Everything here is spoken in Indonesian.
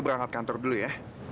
berangkat kantor dulu ya